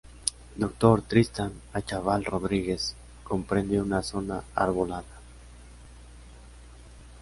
Dr. Tristán Achával Rodríguez, comprende una zona arbolada.